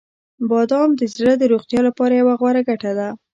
• بادام د زړه د روغتیا لپاره یوه غوره ګټه ده.